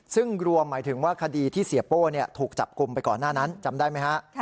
ซึ่งรวมหมายถึงว่าคดีที่เสียโป้ถูกจับกลุ่มไปก่อนหน้านั้นจำได้ไหมฮะ